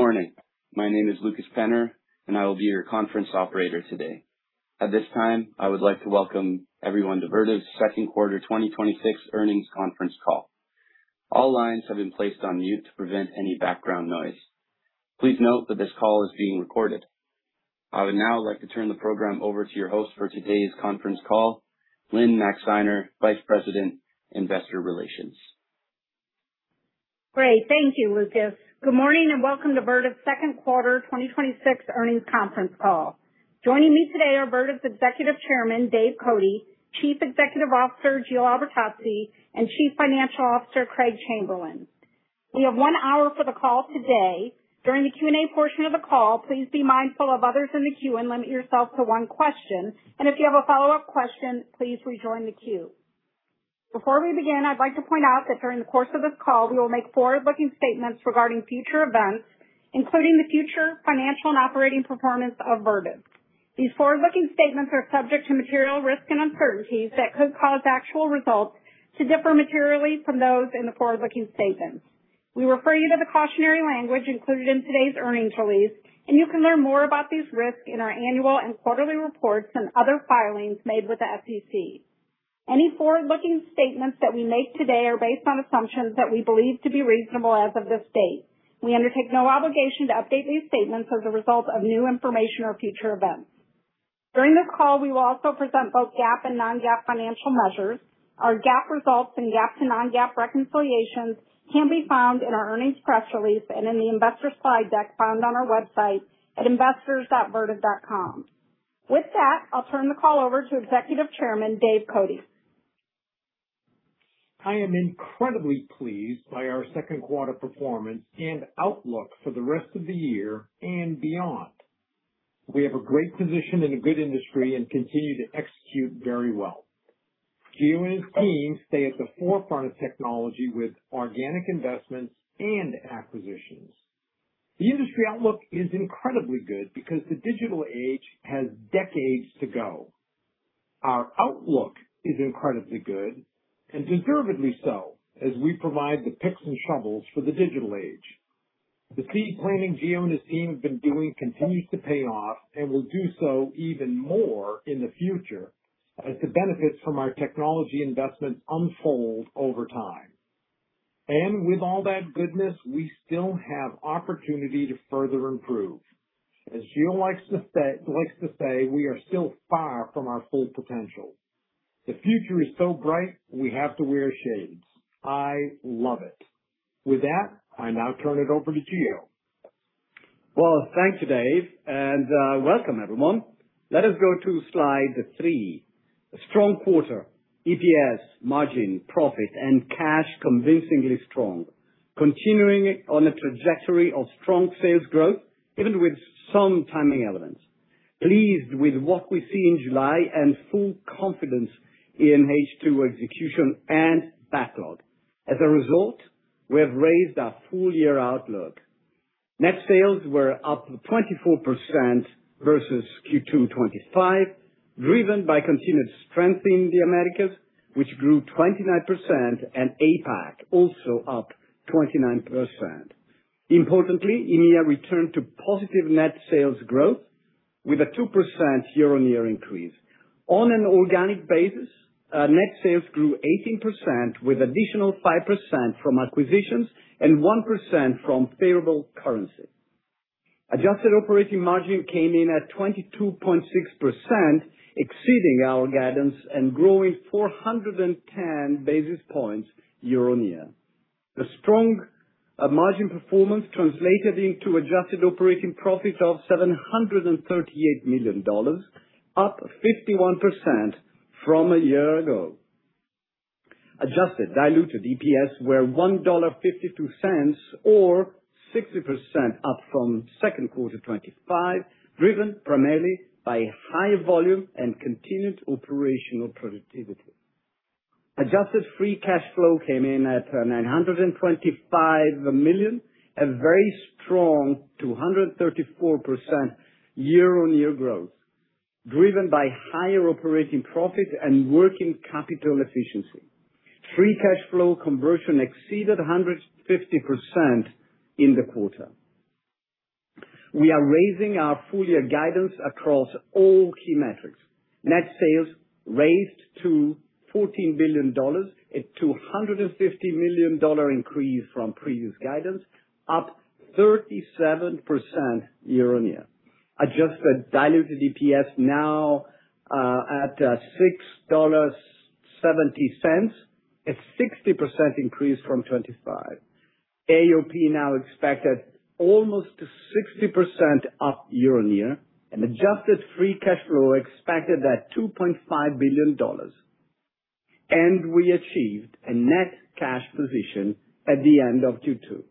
Morning. My name is Lucas Penner, and I will be your conference operator today. At this time, I would like to welcome everyone to Vertiv's second quarter 2026 earnings conference call. All lines have been placed on mute to prevent any background noise. Please note that this call is being recorded. I would now like to turn the program over to your host for today's conference call, Lynne Maxeiner, Vice President, Investor Relations. Great. Thank you, Lucas. Good morning, and welcome to Vertiv's second quarter 2026 earnings conference call. Joining me today are Vertiv's Executive Chairman, Dave Cote, Chief Executive Officer, Gio Albertazzi, and Chief Financial Officer, Craig Chamberlin. We have one hour for the call today. During the Q&A portion of the call, please be mindful of others in the queue and limit yourself to one question, and if you have a follow-up question, please rejoin the queue. Before we begin, I'd like to point out that during the course of this call, we will make forward-looking statements regarding future events, including the future financial and operating performance of Vertiv. These forward-looking statements are subject to material risks and uncertainties that could cause actual results to differ materially from those in the forward-looking statements. We refer you to the cautionary language included in today's earnings release, and you can learn more about these risks in our annual and quarterly reports and other filings made with the SEC. Any forward-looking statements that we make today are based on assumptions that we believe to be reasonable as of this date. We undertake no obligation to update these statements as a result of new information or future events. During this call, we will also present both GAAP and non-GAAP financial measures. Our GAAP results and GAAP to non-GAAP reconciliations can be found in our earnings press release and in the investor slide deck found on our website at investors.vertiv.com. With that, I'll turn the call over to Executive Chairman, Dave Cote. I am incredibly pleased by our second quarter performance and outlook for the rest of the year and beyond. We have a great position in a good industry and continue to execute very well. Gio and his team stay at the forefront of technology with organic investments and acquisitions. The industry outlook is incredibly good because the digital age has decades to go. Our outlook is incredibly good, and deservedly so, as we provide the picks and shovels for the digital age. The seed planting Gio and his team have been doing continues to pay off and will do so even more in the future as the benefits from our technology investments unfold over time. And with all that goodness, we still have opportunity to further improve. As Gio likes to say, we are still far from our full potential. The future is so bright we have to wear shades. I love it. With that, I now turn it over to Gio. Well, thank you, Dave, and welcome everyone. Let us go to slide three. A strong quarter, EPS, margin, profit, and cash convincingly strong, continuing on a trajectory of strong sales growth, even with some timing elements. Pleased with what we see in July and full confidence in H2 execution and backlog. As a result, we have raised our full-year outlook. Net sales were up 24% versus Q2 2025, driven by continued strength in the Americas, which grew 29%, and APAC also up 29%. Importantly, EMEA returned to positive net sales growth with a 2% year-on-year increase. On an organic basis, net sales grew 18%, with additional 5% from acquisitions and 1% from favorable currency. Adjusted operating margin came in at 22.6%, exceeding our guidance and growing 410 basis points year-on-year. The strong margin performance translated into adjusted operating profit of $738 million, up 51% from a year ago. Adjusted diluted EPS were $1.52, or 60% up from second quarter 2025, driven primarily by high volume and continued operational productivity. Adjusted free cash flow came in at $925 million, a very strong 234% year-on-year growth, driven by higher operating profit and working capital efficiency. Free cash flow conversion exceeded 150% in the quarter. We are raising our full-year guidance across all key metrics. Net sales raised to $14 billion, a $250 million increase from previous guidance, up 37% year-on-year. Adjusted diluted EPS now at $6.70, a 60% increase from 2025. AOP now expected almost 60% up year-on-year and adjusted free cash flow expected at $2.5 billion. And we achieved a net cash position at the end of Q2.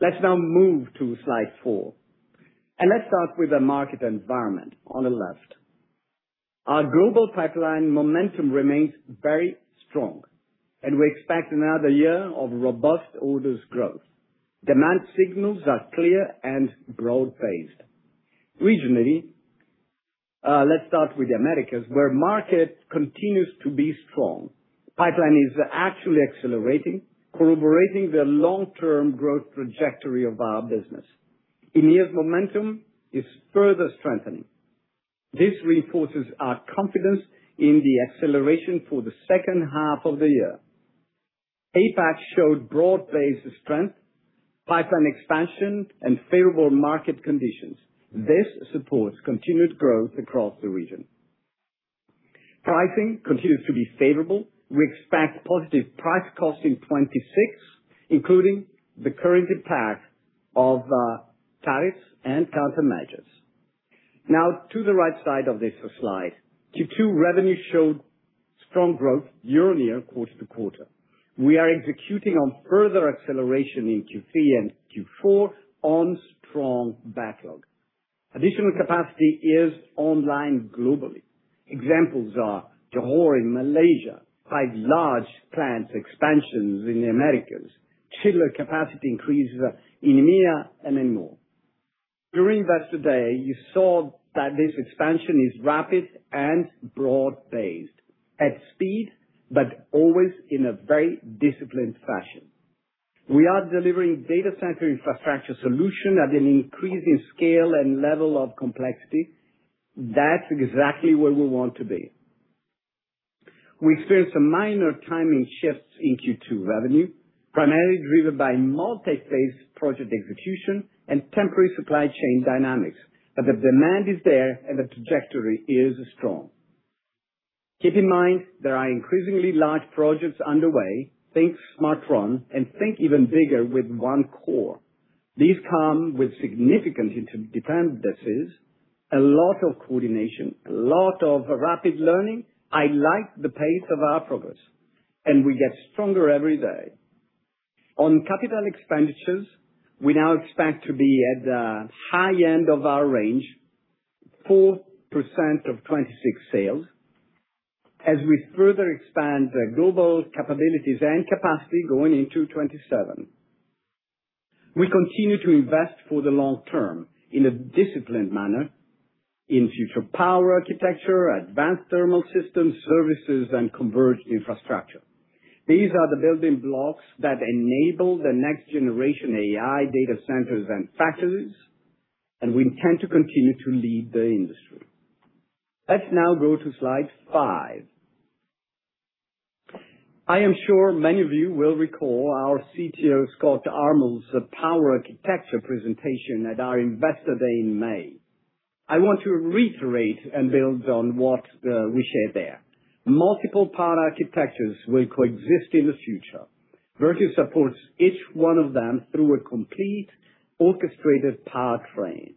Let's now move to slide four, and let's start with the market environment on the left. Our global pipeline momentum remains very strong, and we expect another year of robust orders growth. Demand signals are clear and broad-based. Regionally, let's start with the Americas, where market continues to be strong. Pipeline is actually accelerating, corroborating the long-term growth trajectory of our business. EMEA's momentum is further strengthening. This reinforces our confidence in the acceleration for the second half of the year. APAC showed broad-based strength, pipeline expansion, and favorable market conditions. This supports continued growth across the region. Pricing continues to be favorable. We expect positive price cost in 2026, including the current impact of tariffs and countermeasures. Now, to the right side of this slide. Q2 revenue showed strong growth year-on-year, quarter-to-quarter. We are executing on further acceleration in Q3 and Q4 on strong backlog. Additional capacity is online globally. Examples are Johor in Malaysia, quite large plants expansions in the Americas, chiller capacity increases in EMEA, and in more. During Investor Day, you saw that this expansion is rapid and broad-based, at speed, but always in a very disciplined fashion. We are delivering data center infrastructure solution at an increasing scale and level of complexity. That's exactly where we want to be. We experienced some minor timing shifts in Q2 revenue, primarily driven by multi-phase project execution and temporary supply chain dynamics, but the demand is there, and the trajectory is strong. Keep in mind there are increasingly large projects underway. Think SmartRun and think even bigger with OneCore. These come with significant interdependencies, a lot of coordination, a lot of rapid learning. I like the pace of our progress, and we get stronger every day. On capital expenditures, we now expect to be at the high end of our range, 4% of 2026 sales, as we further expand the global capabilities and capacity going into 2027. We continue to invest for the long term in a disciplined manner in future power architecture, advanced thermal systems, services, and converged infrastructure. These are the building blocks that enable the next-generation AI data centers and factories, and we intend to continue to lead the industry. Let's now go to slide five. I am sure many of you will recall our CTO, Scott Armul's power architecture presentation at our Investor Day in May. I want to reiterate and build on what we shared there. Multiple power architectures will coexist in the future. Vertiv supports each one of them through a complete orchestrated powertrain.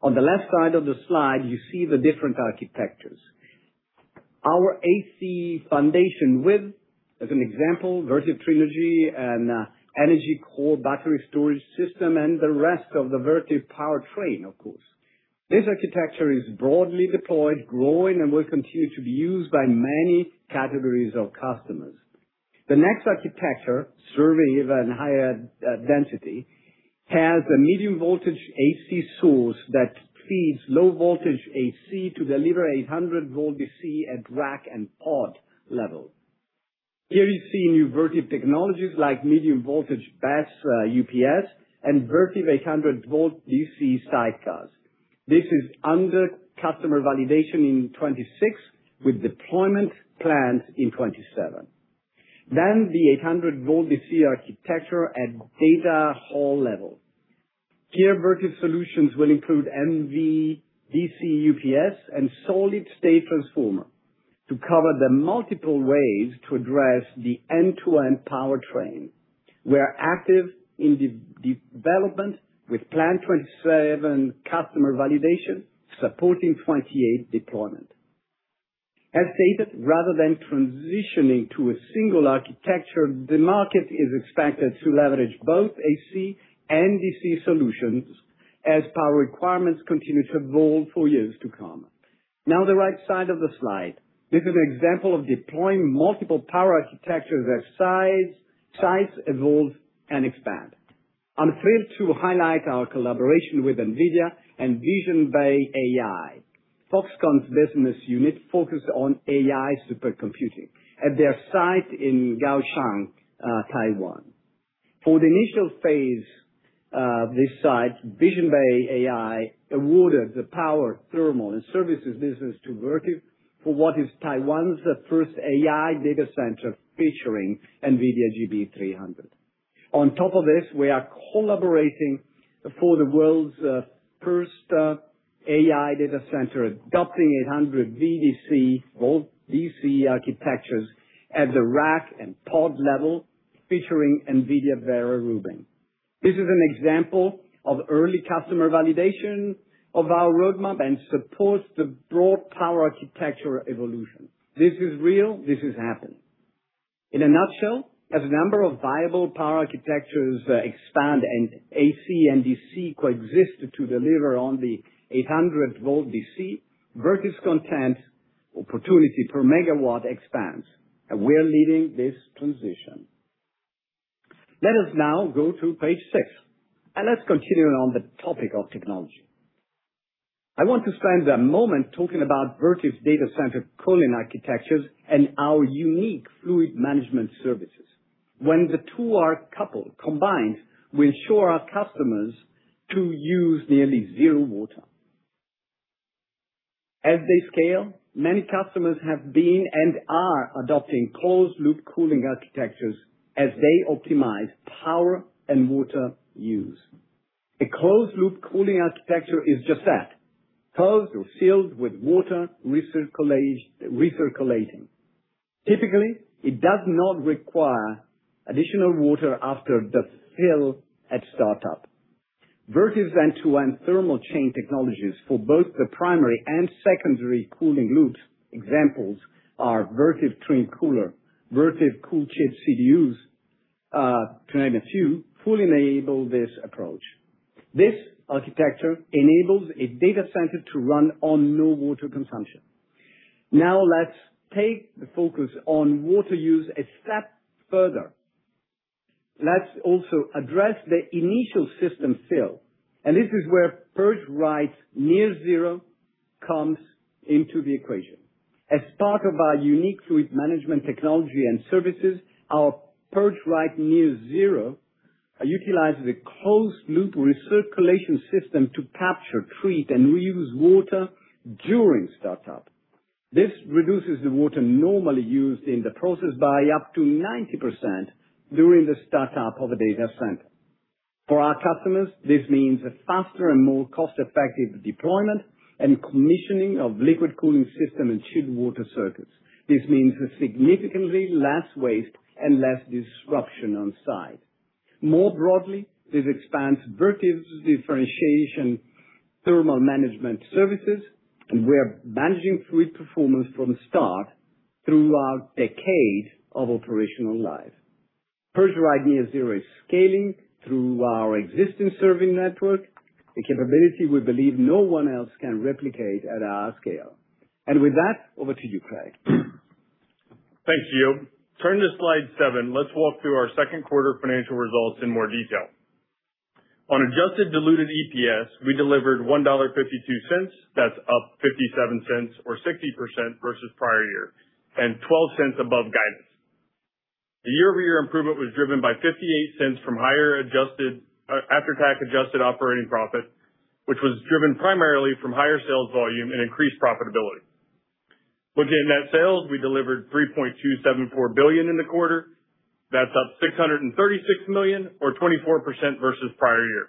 On the left side of the slide, you see the different architectures. Our AC foundation with, as an example, Vertiv Trinergy and EnergyCore battery storage system and the rest of the Vertiv powertrain, of course. This architecture is broadly deployed, growing, and will continue to be used by many categories of customers. The next architecture, serving even higher density, has a medium voltage AC source that feeds low voltage AC to deliver 800-V DC at rack and pod level. Here, you see new Vertiv technologies like medium voltage BESS, UPS, and Vertiv 800-V DC side cars. This is under customer validation in 2026 with deployment plans in 2027. Then, the 800-V DC architecture at data hall level. Here, Vertiv solutions will include MV, DC, UPS, and solid-state transformer to cover the multiple ways to address the end-to-end powertrain. We're active in development with planned 2027 customer validation supporting 2028 deployment. As stated, rather than transitioning to a single architecture, the market is expected to leverage both AC and DC solutions as power requirements continue to evolve for years to come. Now, the right side of the slide. This is an example of deploying multiple power architectures as sites evolve and expand. I'm thrilled to highlight our collaboration with NVIDIA and Visionbay.ai, Foxconn's business unit focused on AI supercomputing at their site in Kaohsiung, Taiwan. For the initial phase of this site, Visionbay.ai awarded the power thermal and services business to Vertiv for what is Taiwan's first AI data center featuring NVIDIA GB300. On top of this, we are collaborating for the world's first AI data center adopting 800 VDC architectures at the rack and pod level, featuring NVIDIA Vera Rubin. This is an example of early customer validation of our roadmap and supports the broad power architecture evolution. This is real. This is happening. In a nutshell, as a number of viable power architectures expand, and AC and DC coexist to deliver on the 800 VDC, Vertiv's content opportunity per megawatt expands, and we're leading this transition. Let us now go to page six, and let's continue on the topic of technology. I want to spend a moment talking about Vertiv's data center cooling architectures and our unique fluid management services. When the two are combined, we ensure our customers to use nearly zero water. As they scale, many customers have been and are adopting closed loop cooling architectures as they optimize power and water use. A closed loop cooling architecture is just that, closed or sealed with water recirculating. Typically, it does not require additional water after the fill at startup. Vertiv's end-to-end thermal chain technologies for both the primary and secondary cooling loops, examples are Vertiv Trim Cooler, Vertiv CoolChip CDUs, to name a few, fully enable this approach. This architecture enables a data center to run on no water consumption. Now, let's take the focus on water use a step further. Let's also address the initial system fill, and this is where PurgeRite NearZero comes into the equation. As part of our unique fluid management technology and services, our PurgeRite NearZero utilizes a closed loop recirculation system to capture, treat, and reuse water during startup. This reduces the water normally used in the process by up to 90% during the startup of a data center. For our customers, this means a faster and more cost-effective deployment and commissioning of liquid cooling system and chilled water circuits. This means significantly less waste and less disruption on site. More broadly, this expands Vertiv's differentiation thermal management services, and we're managing fluid performance from start throughout decades of operational life. PurgeRite NearZero is scaling through our existing serving network, a capability we believe no one else can replicate at our scale. With that, over to you, Craig. Thanks, Gio. Turning to slide seven, let's walk through our second quarter financial results in more detail. On adjusted diluted EPS, we delivered $1.52. That's up $0.57 or 60% versus prior year, and $0.12 above guidance. The year-over-year improvement was driven by $0.58 from after tax adjusted operating profit, which was driven primarily from higher sales volume and increased profitability. Looking at net sales, we delivered $3.274 billion in the quarter. That's up $636 million or 24% versus prior year.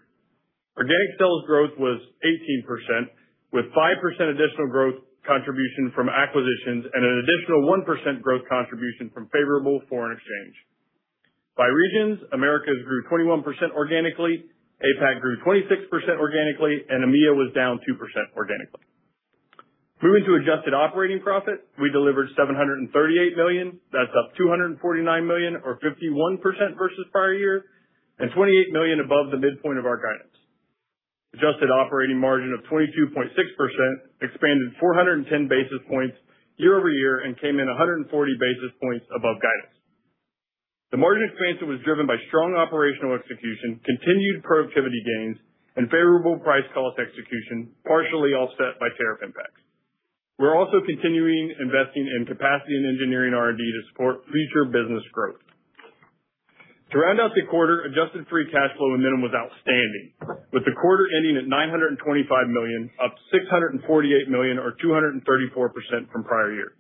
Organic sales growth was 18%, with 5% additional growth contribution from acquisitions, an additional 1% growth contribution from favorable foreign exchange. By regions, Americas grew 21% organically, APAC grew 26% organically, and EMEA was down 2% organically. Moving to adjusted operating profit, we delivered $738 million. That's up $249 million or 51% versus prior year, and $28 million above the midpoint of our guidance. Adjusted operating margin of 22.6% expanded 410 basis points year-over-year and came in 140 basis points above guidance. The margin expansion was driven by strong operational execution, continued productivity gains, and favorable price cost execution, partially offset by tariff impacts. We're also continuing investing in capacity and engineering R&D to support future business growth. To round out the quarter, adjusted free cash flow minimum was outstanding, with the quarter ending at $925 million, up $648 million or 234% from prior year.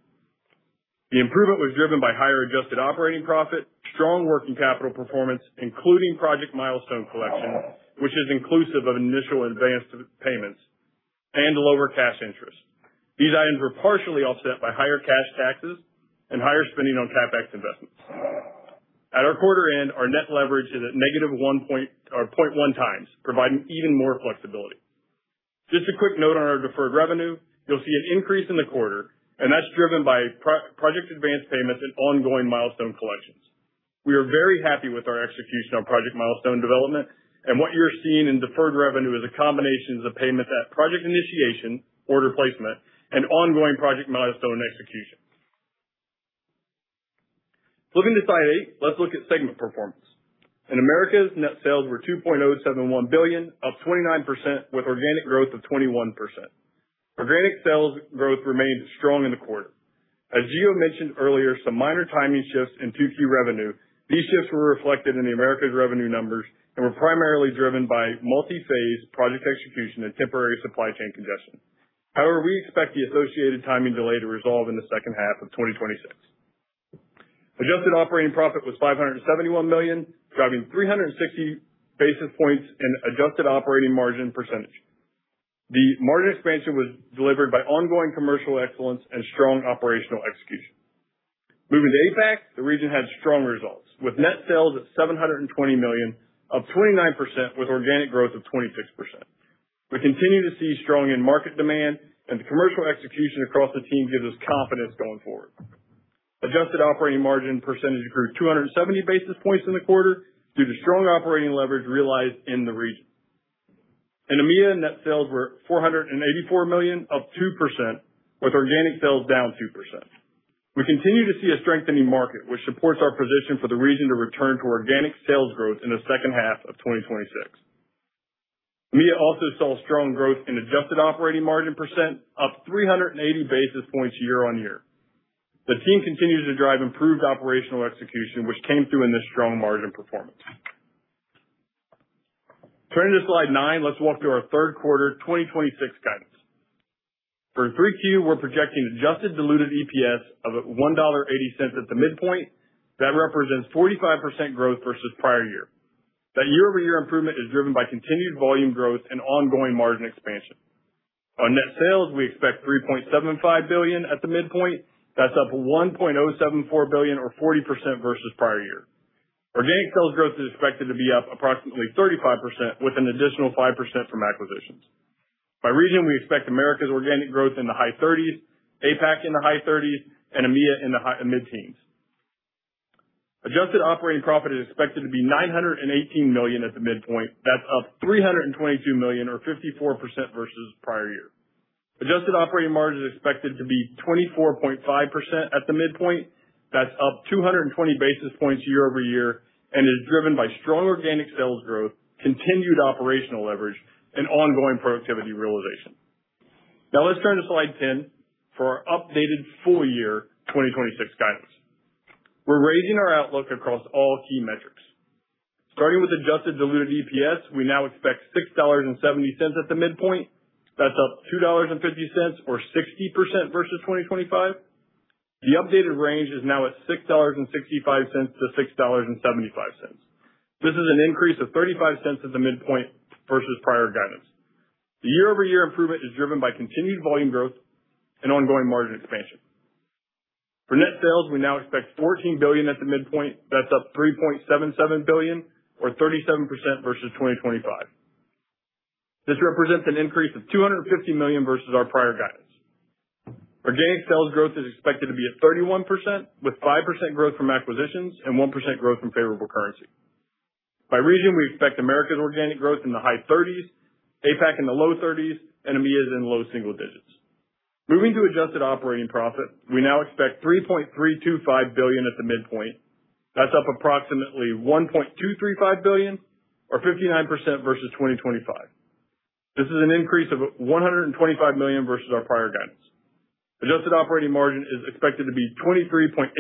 The improvement was driven by higher adjusted operating profit, strong working capital performance, including project milestone collection, which is inclusive of initial advanced payments and lower cash interest. These items were partially offset by higher cash taxes and higher spending on CapEx investments. At our quarter end, our net leverage is at -0.1x, providing even more flexibility. Just a quick note on our deferred revenue. You'll see an increase in the quarter, and that's driven by project advanced payments and ongoing milestone collections. We are very happy with our execution on project milestone development, and what you're seeing in deferred revenue is a combination of the payment at project initiation, order placement, and ongoing project milestone execution. Moving to slide eight, let's look at segment performance. In Americas, net sales were $2.071 billion, up 29%, with organic growth of 21%. Organic sales growth remained strong in the quarter. As Gio mentioned earlier, some minor timing shifts in 2Q revenue. These shifts were reflected in the Americas revenue numbers and were primarily driven by multi-phase project execution and temporary supply chain congestion. However, we expect the associated timing delay to resolve in the second half of 2026. Adjusted operating profit was $571 million, driving 360 basis points in adjusted operating margin percentage. The margin expansion was delivered by ongoing commercial excellence and strong operational execution. Moving to APAC, the region had strong results with net sales at $720 million, up 29%, with organic growth of 26%. We continue to see strong end market demand, and the commercial execution across the team gives us confidence going forward. Adjusted operating margin percentage grew 270 basis points in the quarter due to strong operating leverage realized in the region. In EMEA, net sales were $484 million, up 2%, with organic sales down 2%. We continue to see a strengthening market, which supports our position for the region to return to organic sales growth in the second half of 2026. EMEA also saw strong growth in adjusted operating margin percent, up 380 basis points year-on-year. The team continues to drive improved operational execution, which came through in this strong margin performance. Turning to slide nine, let's walk through our third quarter 2026 guidance. For 3Q, we're projecting adjusted diluted EPS of $1.80 at the midpoint. That represents 45% growth versus the prior year. That year-over-year improvement is driven by continued volume growth and ongoing margin expansion. On net sales, we expect $3.75 billion at the midpoint. That's up $1.074 billion, or 40%, versus the prior year. Organic sales growth is expected to be up approximately 35%, with an additional 5% from acquisitions. By region, we expect Americas organic growth in the high 30s, APAC in the high 30s, and EMEA in the mid-teens. Adjusted operating profit is expected to be $918 million at the midpoint. That is up $322 million, or 54%, versus the prior year. Adjusted operating margin is expected to be 24.5% at the midpoint. That is up 220 basis points year-over-year and is driven by strong organic sales growth, continued operational leverage, and ongoing productivity realization. Now, let's turn to slide 10 for our updated full-year 2026 guidance. We are raising our outlook across all key metrics. Starting with adjusted diluted EPS, we now expect $6.70 at the midpoint. That is up $2.50 or 60% versus 2025. The updated range is now at $6.65-$6.75. This is an increase of $0.35 at the midpoint versus prior guidance. The year-over-year improvement is driven by continued volume growth and ongoing margin expansion. For net sales, we now expect $14 billion at the midpoint. That is up $3.77 billion, or 37%, versus 2025. This represents an increase of $250 million versus our prior guidance. Organic sales growth is expected to be at 31%, with 5% growth from acquisitions and 1% growth from favorable currency. By region, we expect Americas organic growth in the high 30s, APAC in the low 30s, and EMEA is in low single digits. Moving to adjusted operating profit, we now expect $3.325 billion at the midpoint. That is up approximately $1.235 billion or 59% versus 2025. This is an increase of $125 million versus our prior guidance. Adjusted operating margin is expected to be 23.8%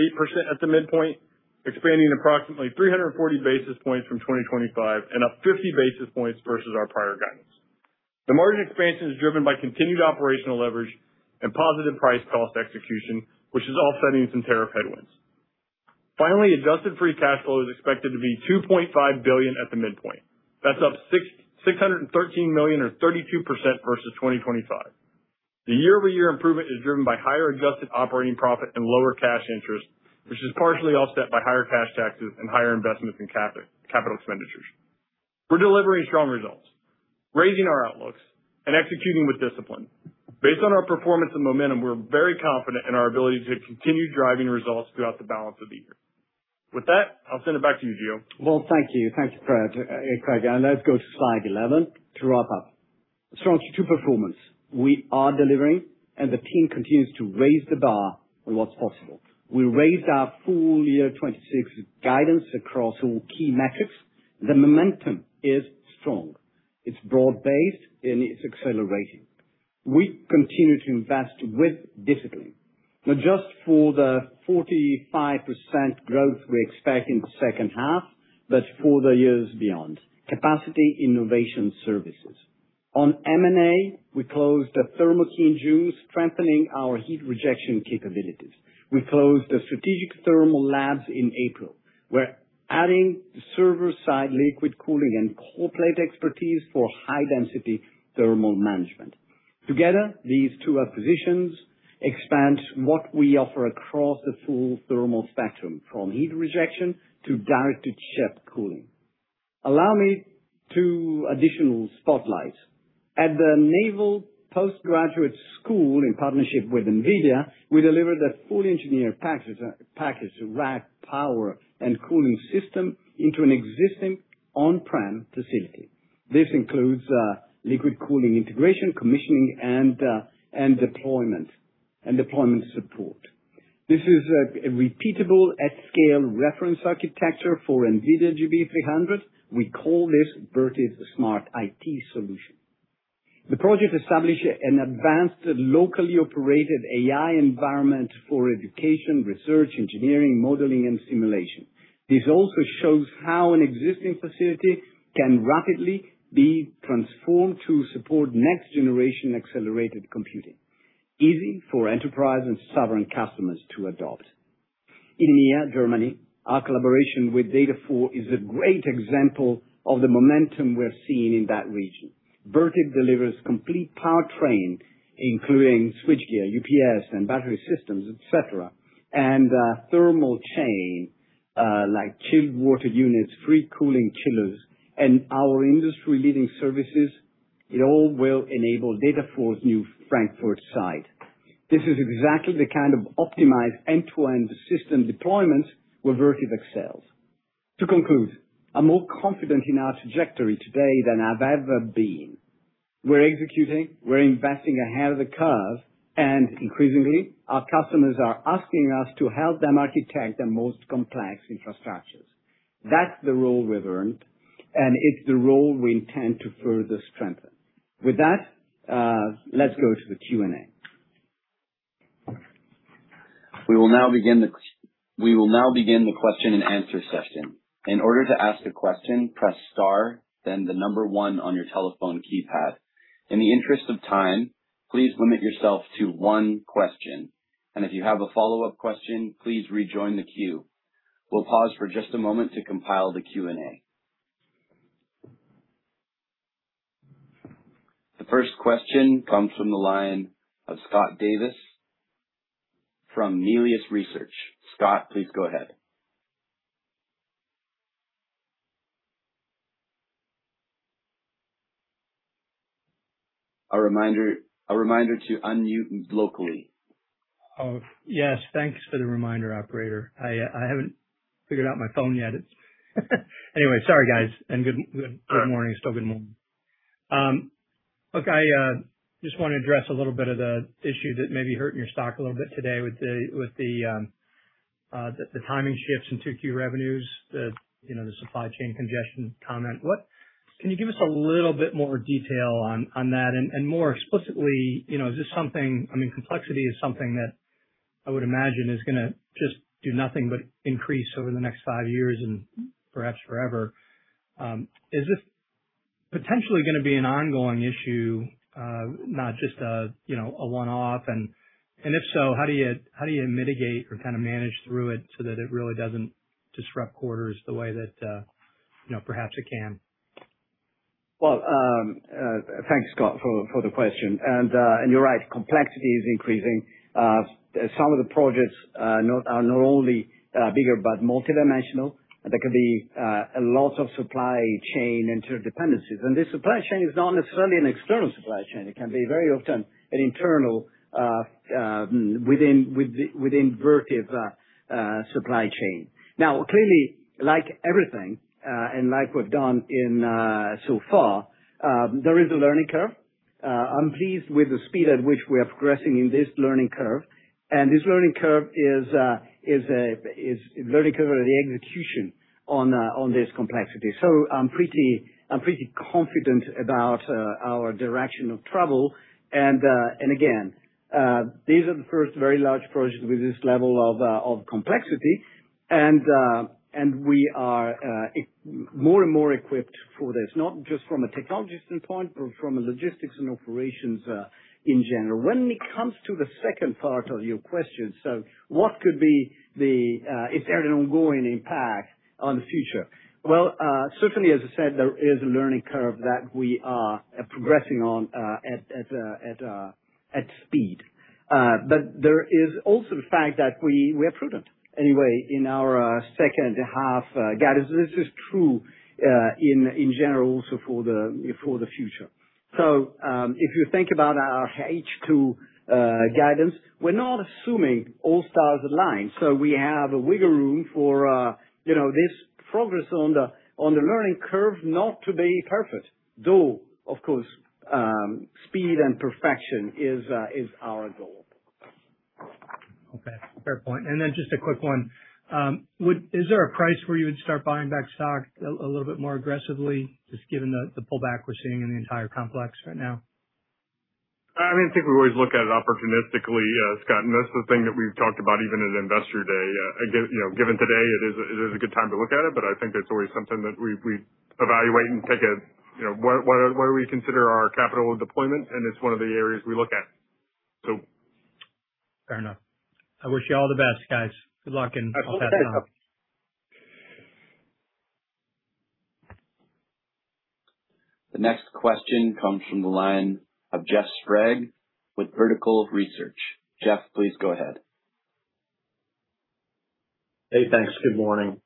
at the midpoint, expanding approximately 340 basis points from 2025 and up 50 basis points versus our prior guidance. The margin expansion is driven by continued operational leverage and positive price cost execution, which is offsetting some tariff headwinds. Finally, adjusted free cash flow is expected to be $2.5 billion at the midpoint. That is up $613 million or 32% versus 2025. The year-over-year improvement is driven by higher adjusted operating profit and lower cash interest, which is partially offset by higher cash taxes and higher investments in capital expenditures. We are delivering strong results, raising our outlooks, and executing with discipline. Based on our performance and momentum, we are very confident in our ability to continue driving results throughout the balance of the year. With that, I will send it back to you, Gio. Well, thank you. Thanks, Craig. Let's go to slide 11 to wrap up. Strong Q2 performance. We are delivering, and the team continues to raise the bar on what is possible. We raised our full-year 2026 guidance across all key metrics. The momentum is strong. It is broad-based, and it is accelerating. We continue to invest with discipline. Not just for the 45% growth we expect in the second half, but for the years beyond. Capacity innovation services. On M&A, we closed the ThermoKey acquisition, strengthening our heat rejection capabilities. We closed Strategic Thermal Labs in April. We are adding server-side liquid cooling and cold plate expertise for high-density thermal management. Together, these two acquisitions expand what we offer across the full thermal spectrum, from heat rejection to direct-to-chip liquid cooling. Allow me two additional spotlights. At the Naval Postgraduate School in partnership with NVIDIA, we delivered a full engineered package, rack, power, and cooling system into an existing on-prem facility. This includes liquid cooling integration, commissioning, and deployment support. This is a repeatable at-scale reference architecture for NVIDIA GB300. We call this Vertiv SmartIT solution. The project established an advanced locally operated AI environment for education, research, engineering, modeling, and simulation. This also shows how an existing facility can rapidly be transformed to support next-generation accelerated computing, easy for enterprise and sovereign customers to adopt. In EMEA, Germany, our collaboration with DATA4 is a great example of the momentum we're seeing in that region. Vertiv delivers complete powertrain, including switchgear, UPS, and battery systems, et cetera, and thermal chain, like chilled water units, free cooling chillers, and our industry-leading services. It all will enable DATA4's new Frankfurt site. This is exactly the kind of optimized end-to-end system deployments where Vertiv excels. To conclude, I'm more confident in our trajectory today than I've ever been. We're executing, we're investing ahead of the curve, and increasingly, our customers are asking us to help them architect their most complex infrastructures. That's the role we've earned, and it's the role we intend to further strengthen. With that, let's go to the Q&A. We will now begin the question-and-answer session. In order to ask a question, press star then the number one on your telephone keypad. In the interest of time, please limit yourself to one question, and if you have a follow-up question, please rejoin the queue. We'll pause for just a moment to compile the Q&A. The first question comes from the line of Scott Davis from Melius Research. Scott, please go ahead. A reminder to unmute locally. Yes. Thanks for the reminder, operator. I haven't figured out my phone yet. Anyway, sorry, guys, and good morning. Still good morning. Look, I just want to address a little bit of the issue that may be hurting your stock a little bit today with the timing shifts in 2Q revenues, the supply chain congestion comment. Can you give us a little bit more detail on that? And more explicitly, you know, is this something, I mean, complexity is something that I would imagine is going to just do nothing but increase over the next five years and perhaps forever, is this potentially going to be an ongoing issue, not just a one-off? If so, how do you mitigate or manage through it so that it really doesn't disrupt quarters the way that perhaps it can? Well, thanks, Scott, for the question. You're right, complexity is increasing. Some of the projects are not only bigger but multidimensional. There can be a lot of supply chain interdependencies, and this supply chain is not necessarily an external supply chain. It can be very often an internal within Vertiv supply chain. Now, clearly, like everything, and like we've done so far, there is a learning curve. I'm pleased with the speed at which we are progressing in this learning curve, and this learning curve is the learning curve of the execution on this complexity. So, I'm pretty confident about our direction of travel. And again, these are the first very large projects with this level of complexity, and we are more and more equipped for this, not just from a technology standpoint, but from a logistics and operations in general. When it comes to the second part of your question, so, what could be the ongoing impact on the future? Well, certainly, as I said, there is a learning curve that we are progressing on at speed. But there is also the fact that we are prudent. Anyway, in our second half guidance, this is true in general also for the future. If you think about our H2 guidance, we're not assuming all stars align. We have a wiggle room for this progress on the learning curve not to be perfect. Though, of course, speed and perfection is our goal. Okay. Fair point. And then, just a quick one. Is there a price where you would start buying back stock a little bit more aggressively, just given the pullback we're seeing in the entire complex right now? I think we always look at it opportunistically, Scott, and that's the thing that we've talked about even at Investor Day. Again, given today, it is a good time to look at it, but I think that's always something that we evaluate and pick what we consider our capital deployment, and it's one of the areas we look at. Fair enough. I wish you all the best, guys. Good luck and I'll talk to you. The next question comes from the line of Jeff Sprague with Vertical Research. Jeff, please go ahead. Hey, thanks. Good morning.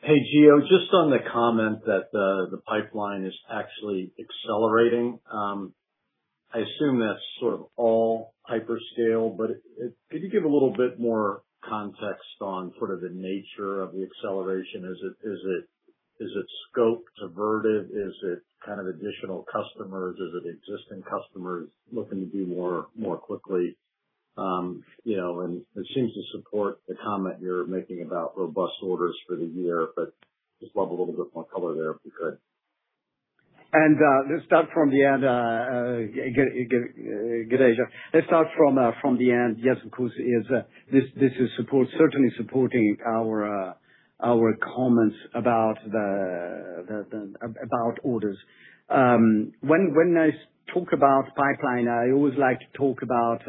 Hey, Gio, just on the comment that the pipeline is actually accelerating. I assume that's all hyperscale, but could you give a little bit more context on sort of the nature of the acceleration? Is it scoped to Vertiv? Is it kind of additional customers? Is it existing customers looking to do more quickly? It seems to support the comment you're making about robust orders for the year, but just love a little bit more color there, if you could. Let's start from the end. Good Asia. Let's start from the end. Yes, of course, this is certainly supporting our comments about orders. When I talk about pipeline, I always like to talk about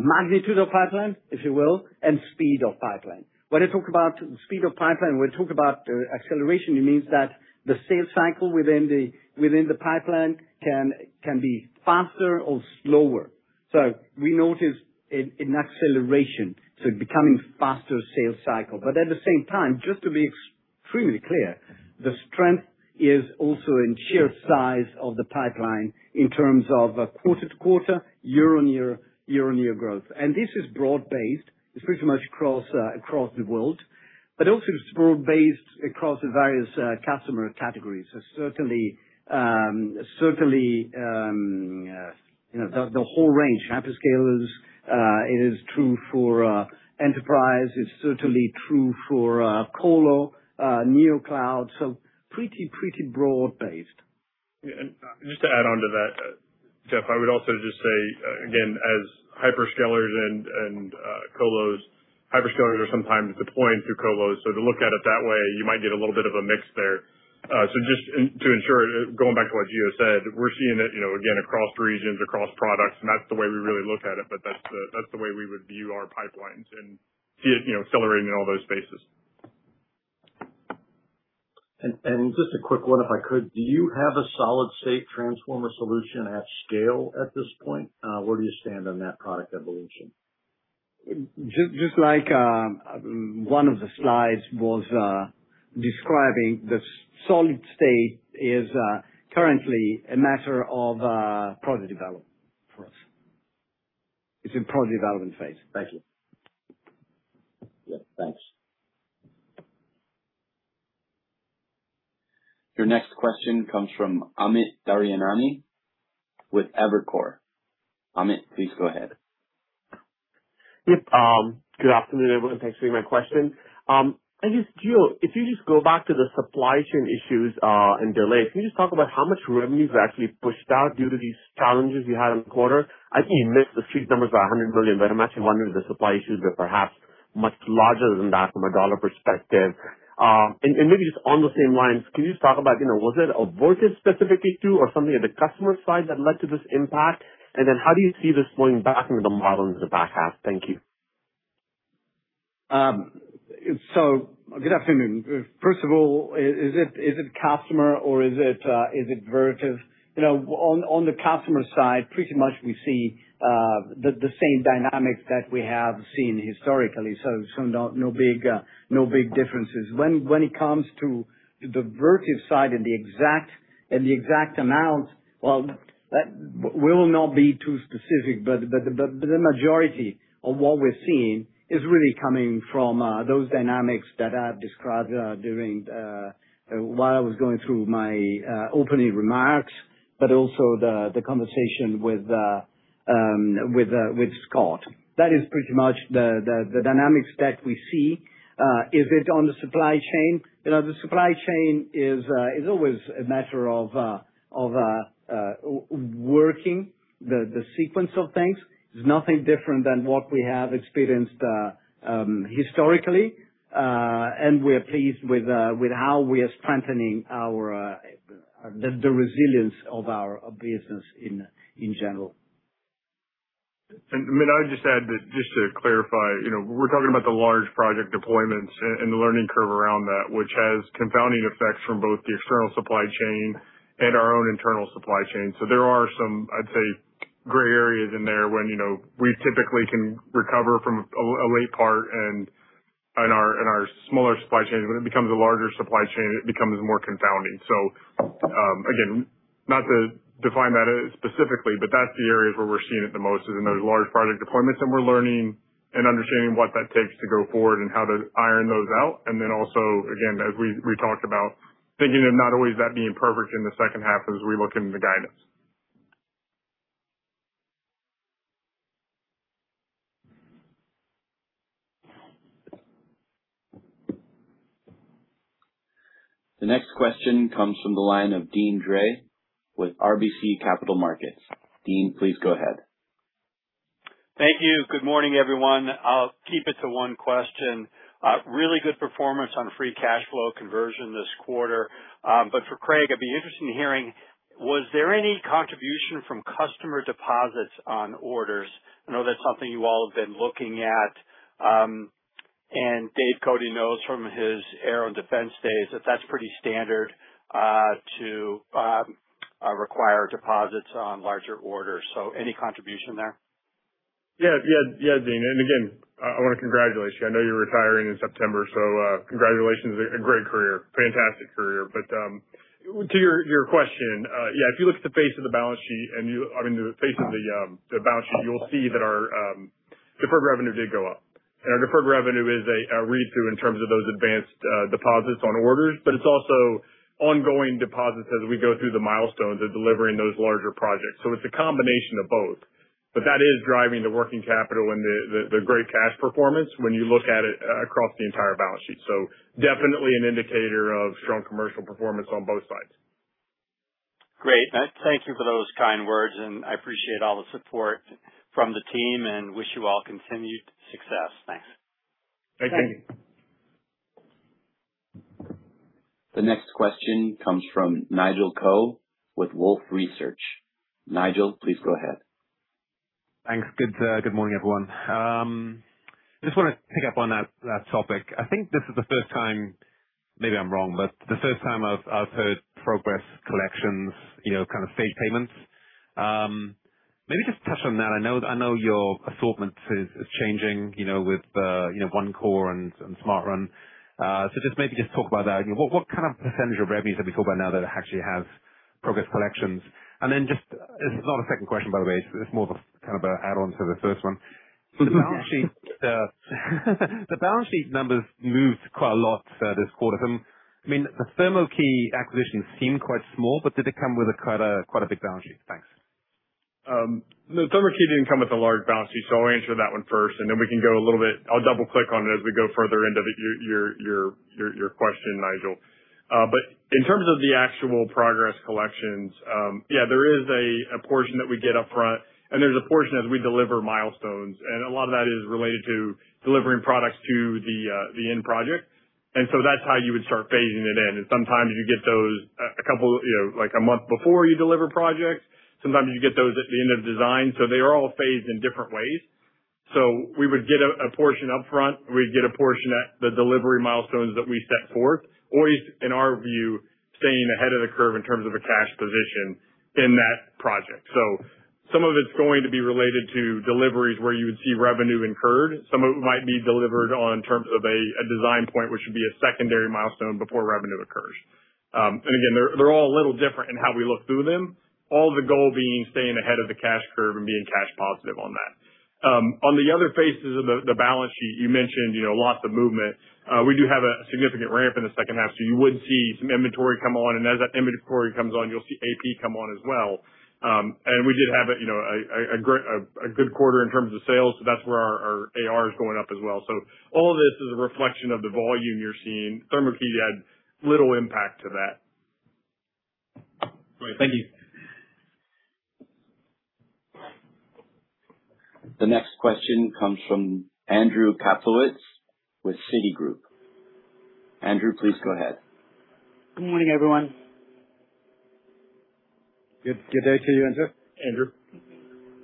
magnitude of pipeline, if you will, and speed of pipeline. When I talk about speed of pipeline, when I talk about acceleration, it means that the sales cycle within the pipeline can be faster or slower. We notice an acceleration, so becoming faster sales cycle. But at the same time, just to be extremely clear, the strength is also in sheer size of the pipeline in terms of quarter-to-quarter, year-on-year growth. And this is broad-based. It's pretty much across the world, but also, it's broad-based across the various customer categories. So, certainly, the whole range. Hyperscalers, it is true for enterprise, it's certainly true for colo, new cloud. So, pretty, pretty broad-based. Just to add on to that, Jeff, I would also just say, again, as hyperscalers and colos, hyperscalers are sometimes deploying through colos, so to look at it that way, you might get a little bit of a mix there. So, just to ensure, going back to what Gio said, we're seeing it again, across regions, across products, and that's the way we really look at it, but that's the way we would view our pipelines and see it accelerating in all those spaces. And just a quick one if I could. Do you have a solid state transformer solution at scale at this point? Where do you stand on that product evolution? Just like one of the slides was describing, the solid state is currently a matter of product development for us. It's in product development phase. Thank you. Yeah, thanks. Your next question comes from Amit Daryanani with Evercore. Amit, please go ahead. Yep. Good afternoon, everyone. Thanks for taking my question. I guess, Gio, if you just go back to the supply chain issues, and delays, can you just talk about how much revenues are actually pushed out due to these challenges you had in the quarter? I think you missed the street numbers by $100 million, but I'm actually wondering if the supply issues were perhaps much larger than that from a dollar perspective. Then, maybe just on the same lines, can you just talk about, was it a Vertiv specifically too or something at the customer side that led to this impact? How do you see this flowing back into the model into the back half? Thank you. Good afternoon. First of all, is it customer or is it Vertiv? On the customer side, pretty much we see the same dynamics that we have seen historically, so no big differences. When it comes to the Vertiv side and the exact amounts, well, we will not be too specific, but the majority of what we're seeing is really coming from those dynamics that I've described while I was going through my opening remarks, but also the conversation with Scott. That is pretty much the dynamics that we see. Is it on the supply chain? The supply chain is always a matter of working the sequence of things. It's nothing different than what we have experienced historically. And we're pleased with how we are strengthening the resilience of our business in general. Amit, I would just add, just to clarify, we're talking about the large project deployments and the learning curve around that, which has confounding effects from both the external supply chain and our own internal supply chain. So, there are some, I'd say, gray areas in there when we typically can recover from a late part in our smaller supply chains. When it becomes a larger supply chain, it becomes more confounding. So, again, not to define that specifically, but that's the areas where we're seeing it the most is in those large project deployments, and we're learning and understanding what that takes to go forward and how to iron those out. Then also, again, as we talked about thinking of not always that being perfect in the second half as we look into the guidance. The next question comes from the line of Deane Dray with RBC Capital Markets. Deane, please go ahead. Thank you. Good morning, everyone. I'll keep it to one question. Really good performance on free cash flow conversion this quarter. But for Craig, I'd be interested in hearing, was there any contribution from customer deposits on orders? I know that's something you all have been looking at, and Dave Cote knows from his aero and defense days that that's pretty standard to require deposits on larger orders. So, any contribution there? Yeah, Deane, again, I want to congratulate you. I know you're retiring in September, so congratulations. A great career. Fantastic career. To your question, yeah, if you look at the face of the balance sheet, you'll see that our deferred revenue did go up. Our deferred revenue is a read-through in terms of those advanced deposits on orders, but it's also ongoing deposits as we go through the milestones of delivering those larger projects. So, it's a combination of both. That is driving the working capital and the great cash performance when you look at it across the entire balance sheet. So, definitely an indicator of strong commercial performance on both sides. Great. Thank you for those kind words, and I appreciate all the support from the team and wish you all continued success. Thanks. Thank you. The next question comes from Nigel Coe with Wolfe Research. Nigel, please go ahead. Thanks. Good morning, everyone. Just want to pick up on that last topic. I think this is the first time, maybe I'm wrong, but the first time I've heard progress collections, kind of stage payments. Maybe just touch on that. I know your assortment is changing with OneCore and SmartRun. So, maybe just talk about that. What kind of percentage of revenues have you sold by now that actually have progress collections? And then, just, this is not a second question, by the way, so it's more of kind of an add-on to the first one. The balance sheet numbers moved quite a lot this quarter. The ThermoKey acquisition seemed quite small, but did it come with quite a big balance sheet? Thanks. The ThermoKey didn't come with a large balance sheet, so I'll answer that one first, and then we can go a little bit, I'll double-click on it as we go further into your question, Nigel. In terms of the actual progress collections, yeah, there is a portion that we get up front, and there's a portion as we deliver milestones. A lot of that is related to delivering products to the end project. That's how you would start phasing it in. Sometimes, you get those a couple, you know, like a month before you deliver projects. Sometimes, you get those at the end of design. So, they are all phased in different ways. We would get a portion up front, or we'd get a portion at the delivery milestones that we set forth. Always, in our view, staying ahead of the curve in terms of a cash position in that project. Some of it's going to be related to deliveries where you would see revenue incurred. Some of it might be delivered on terms of a design point, which would be a secondary milestone before revenue occurs. Again, they're all a little different in how we look through them. All of the goal being staying ahead of the cash curve and being cash positive on that. On the other phases of the balance sheet, you mentioned lots of movement. We do have a significant ramp in the second half, so you would see some inventory come on, and as that inventory comes on, you'll see AP come on as well. We did have a good quarter in terms of sales. That's where our AR is going up as well. All of this is a reflection of the volume you're seeing. ThermoKey had little impact to that. Great. Thank you. The next question comes from Andrew Kaplowitz with Citigroup. Andrew, please go ahead. Good morning, everyone. Good day to you, Andrew.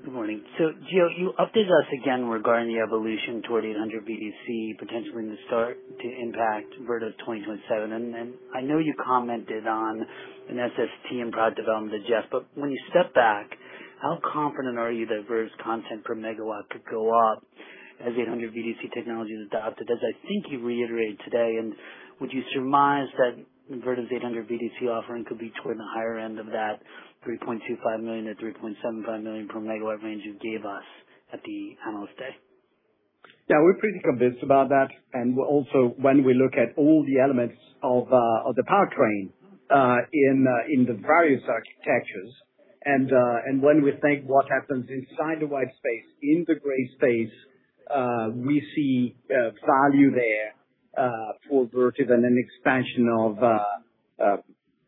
Good morning. Gio, you updated us again regarding the evolution toward 800 VDC, potentially in the start to impact Vertiv 2027. I know you commented on an SST in product development to Jeff, but when you step back, how confident are you that Vertiv's content per megawatt could go up as 800 VDC technology is adopted, as I think you reiterated today? Would you surmise that Vertiv's 800 VDC offering could be toward the higher end of that $3.25 million-$3.75 million per megawatt range you gave us at the analyst day? Yeah, we're pretty convinced about that. Also, when we look at all the elements of the powertrain in the various architectures and when we think what happens inside the white space, in the gray space, we see value there for Vertiv and an expansion of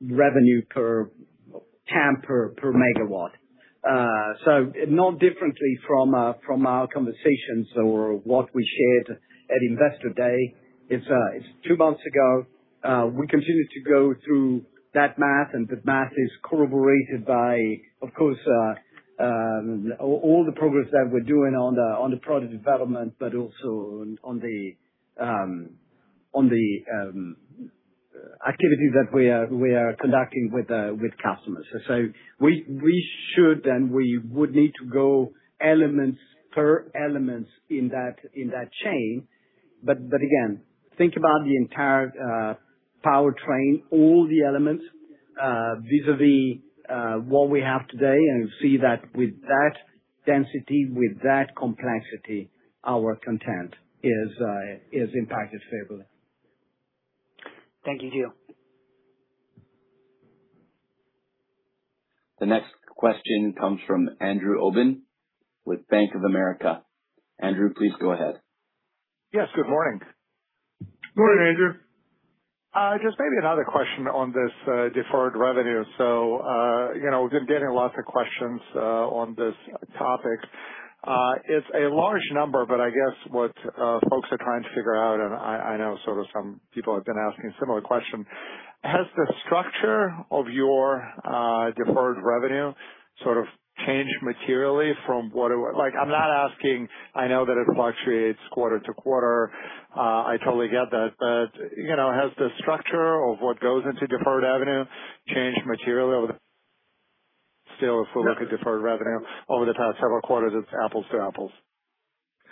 revenue per megawatt. So, not differently from our conversations or what we shared at Investor Day. It's two months ago. We continue to go through that math, and the math is corroborated by, of course, all the progress that we're doing on the product development, but also on the activities that we are conducting with customers. We should, and we would need to go elements per elements in that chain. But again, think about the entire powertrain, all the elements vis-a-vis what we have today and see that with that density, with that complexity, our content is impacted favorably. Thank you, Gio. The next question comes from Andrew Obin with Bank of America. Andrew, please go ahead. Yes, good morning. Morning, Andrew. Just maybe another question on this deferred revenue. We've been getting lots of questions on this topic. It's a large number, but I guess what folks are trying to figure out, and I know some people have been asking a similar question, has the structure of your deferred revenue changed materially from what it was? I'm not asking, I know that it fluctuates quarter-to-quarter. I totally get that. Has the structure of what goes into deferred revenue changed materially? Still, if we look at deferred revenue over the past several quarters, it's apples to apples.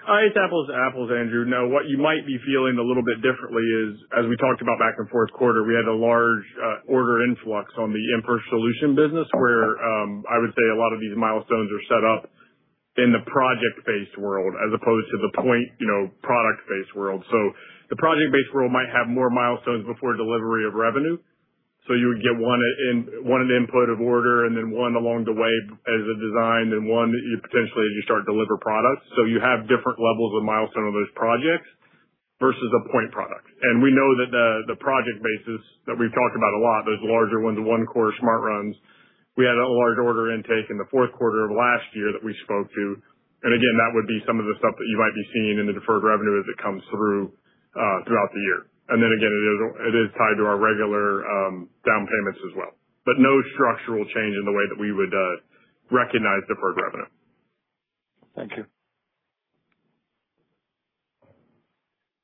It's apples to apples, Andrew. Now, what you might be feeling a little bit differently is, as we talked about back in the fourth quarter, we had a large order influx on the [infra] solution business, where, I would say, a lot of these milestones are set up in the project-based world as opposed to the point product-based world. The project-based world might have more milestones before delivery of revenue. So, you would get one at input of order and then one along the way as a design and one potentially as you start to deliver products. You have different levels of milestone on those projects versus a point product. We know that the project basis that we've talked about a lot, those larger ones, OneCore, SmartRuns. We had a large order intake in the fourth quarter of last year that we spoke to. Again, that would be some of the stuff that you might be seeing in the deferred revenue as it comes through throughout the year. Then again, it is tied to our regular down payments as well. But no structural change in the way that we would recognize deferred revenue. Thank you.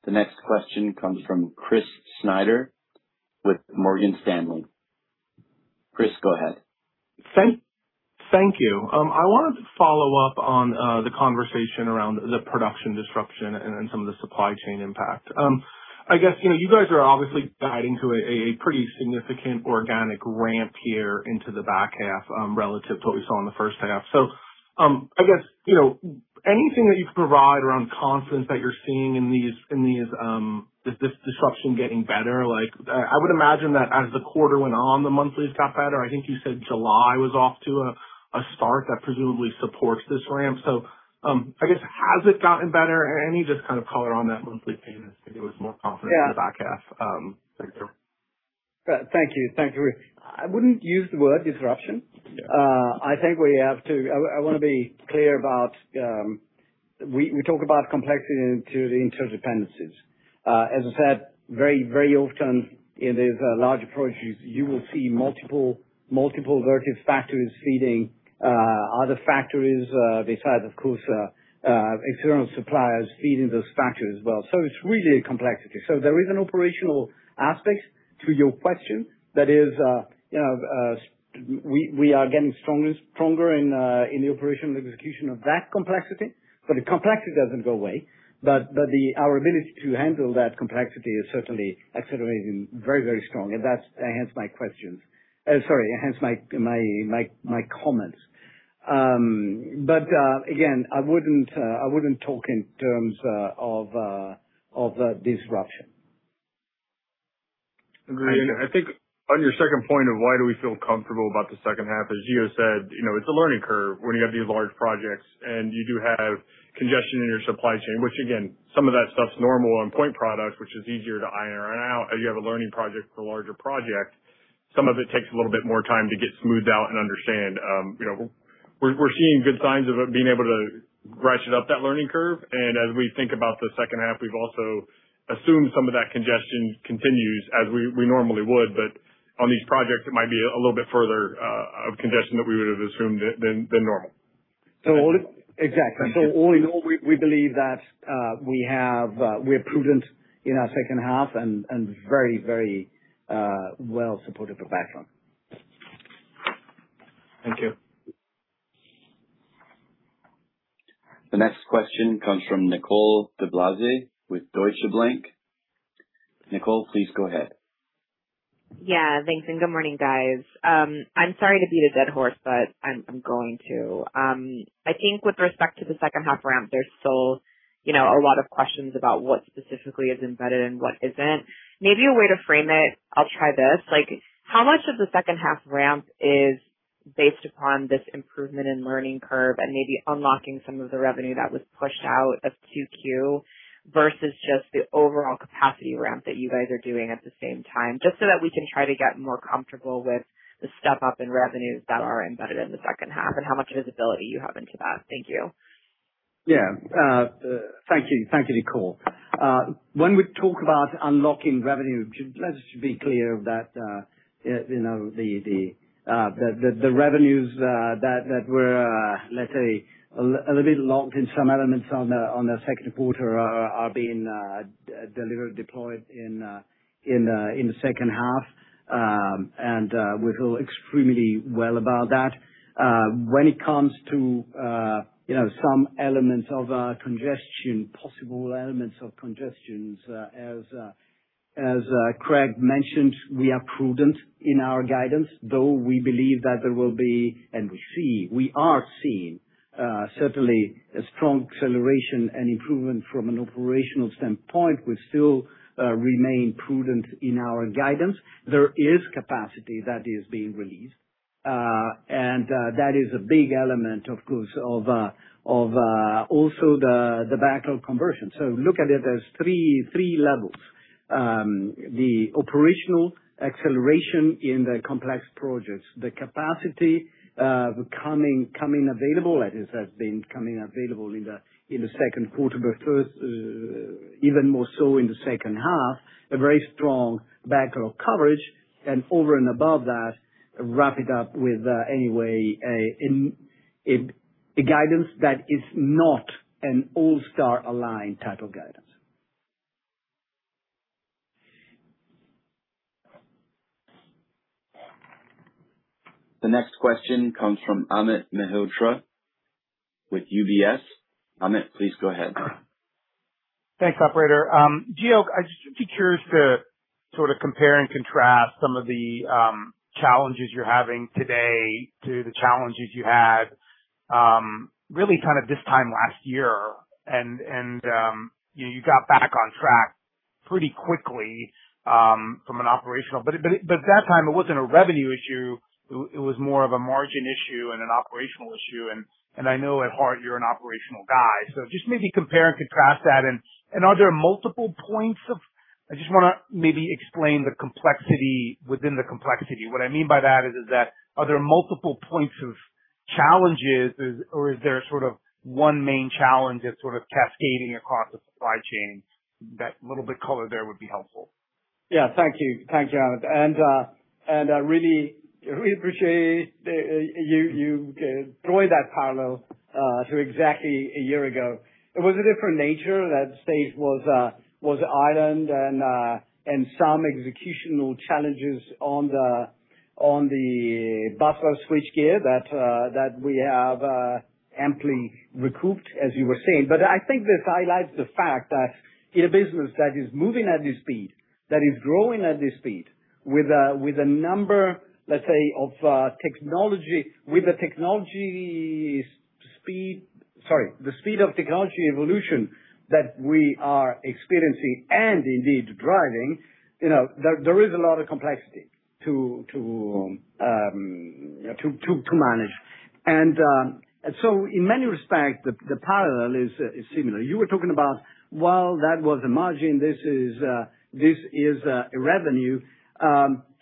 The next question comes from Chris Snyder with Morgan Stanley. Chris, go ahead. Thank you. I wanted to follow up on the conversation around the production disruption and some of the supply chain impact. I guess you guys are obviously guiding to a pretty significant organic ramp here into the back half relative to what we saw in the first half. I guess anything that you can provide around confidence that you're seeing, is this disruption getting better? Like, I would imagine that as the quarter went on, the monthlies got better. I think you said July was off to a start that presumably supports this ramp. I guess, has it gotten better? Any just kind of color on that monthly theme to give us more confidence in the back half? Thanks. Thank you. I wouldn't use the word disruption. Yeah. I think we have to, I want to be clear about, we talk about complexity and interdependencies. As I said, very, very often in these large approaches, you will see multiple Vertiv factories feeding other factories. They have, of course, external suppliers feeding those factories as well. It's really a complexity. There is an operational aspect to your question that is, we are getting stronger in the operational execution of that complexity, but the complexity doesn't go away. But our ability to handle that complexity is certainly accelerating very strong. That's, hence, my questions. Sorry, hence my comments. Again, I wouldn't talk in terms of disruption. Agree. I think on your second point of why do we feel comfortable about the second half, as Gio said, it's a learning curve when you have these large projects and you do have congestion in your supply chain, which again, some of that stuff's normal on point products, which is easier to iron out. As you have a learning project for larger project, some of it takes a little bit more time to get smoothed out and understand. We're seeing good signs of it being able to ratchet up that learning curve. As we think about the second half, we've also assumed some of that congestion continues as we normally would, but on these projects, it might be a little bit further of congestion that we would have assumed than normal. Exactly. So, all in all, we believe that we're prudent in our second half and very, very well-supported the back half. Thank you. The next question comes from Nicole DeBlase with Deutsche Bank. Nicole, please go ahead. Yeah. Thanks, and good morning, guys. I'm sorry to beat a dead horse, but I'm going to. I think, with respect to the second half ramp, there's still a lot of questions about what specifically is embedded and what isn't. Maybe a way to frame it, I'll try this, like, how much of the second half ramp is based upon this improvement in learning curve and maybe unlocking some of the revenue that was pushed out of 2Q versus just the overall capacity ramp that you guys are doing at the same time? Just so that we can try to get more comfortable with the step-up in revenues that are embedded in the second half and how much visibility you have into that. Thank you. Yeah. Thank you, Nicole. When we talk about unlocking revenue, let's just be clear that the revenues that were, let's say, a little bit locked in some elements on the second quarter are being delivered, deployed in the second half, and we feel extremely well about that. When it comes to some elements of congestion, possible elements of congestion, as Craig mentioned, we are prudent in our guidance, though we believe that there will be, and we see, we are seeing, certainly a strong acceleration and improvement from an operational standpoint, we still remain prudent in our guidance. There is capacity that is being released, and that is a big element, of course, of also the backlog conversion. So, look at it as three levels. The operational acceleration in the complex projects, the capacity coming available, that is, has been coming available in the second quarter, but even more so in the second half. A very strong backlog coverage. And over and above that, wrap it up with, anyway, a guidance that is not an all-star aligned type of guidance. The next question comes from Amit Mehrotra with UBS. Amit, please go ahead. Thanks, operator. Gio, I'd just be curious to sort of compare and contrast some of the challenges you're having today to the challenges you had really kind of this time last year. You got back on track pretty quickly from an operational, but at that time, it wasn't a revenue issue, it was more of a margin issue and an operational issue. I know, at heart, you're an operational guy, so just maybe compare and contrast that. Are there multiple points of, I just want to maybe explain the complexity within the complexity. What I mean by that is that, are there multiple points of challenges, or is there sort of one main challenge that's sort of cascading across the supply chain? That little bit color there would be helpful. Yeah. Thank you, Amit. I really appreciate you drawing that parallel to exactly a year ago. It was a different nature. That stage was Ireland and some executional challenges on the buffer switchgear that we have amply recouped, as you were saying. But I think this highlights the fact that in a business that is moving at this speed, that is growing at this speed, with the number, let's say, of technology, with the technology speed, sorry, the speed of technology evolution that we are experiencing and indeed driving, there is a lot of complexity to manage. So, in many respects, the parallel is similar. You were talking about while that was a margin, this is a revenue.